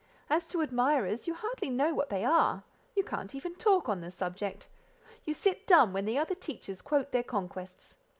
As to admirers, you hardly know what they are; you can't even talk on the subject: you sit dumb when the other teachers quote their conquests.